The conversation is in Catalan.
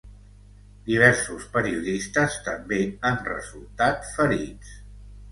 Diversos periodistes també han resultat ferits.